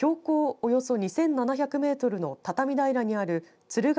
およそ２７００メートルの畳平にある鶴ヶ